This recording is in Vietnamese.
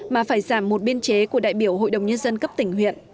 mà phải giảm một biên chế của đại biểu hội đồng nhân dân cấp tỉnh huyện